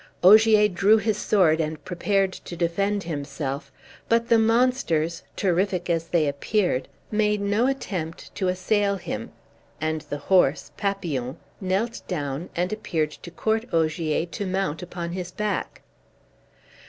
Ogier drew his sword and prepared to defend himself; but the monsters, terrific as they appeared, made no attempt to assail him, and the horse, Papillon, knelt down, and appeared to court Ogier to mount upon his back.